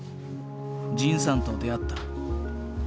仁さんと出会った。